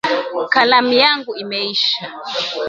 Kalamu yangu imeisha